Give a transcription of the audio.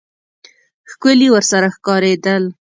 ښکلي ورسره ښکارېدل.